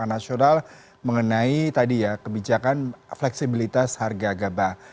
pembangunan nasional mengenai tadi ya kebijakan fleksibilitas harga gabah